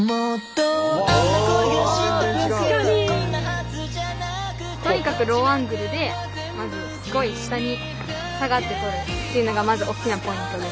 とにかくローアングルでまずすごい下に下がって撮るっていうのがまず大きなポイントですね。